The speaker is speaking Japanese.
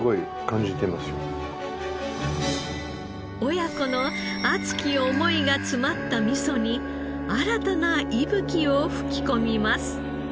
親子の熱き思いが詰まった味噌に新たな息吹を吹き込みます。